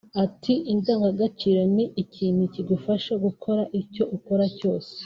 Ati”Indangagaciro ni ikintu kigufasha gukora icyo ukora cyose